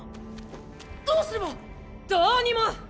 どうすれば⁉どうにも！